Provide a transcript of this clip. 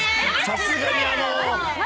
さすがにあの」